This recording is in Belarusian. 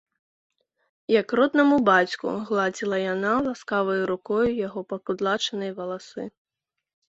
Як роднаму бацьку, гладзіла яна ласкаваю рукою яго пакудлачаныя валасы.